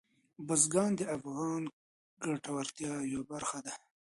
بزګان د افغانانو د ګټورتیا یوه برخه ده.